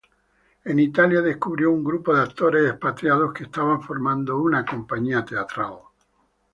En Italia, descubrió un grupo de actores expatriados que estaban formando una compañía teatral.